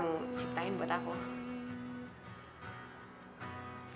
masih menyembah dapat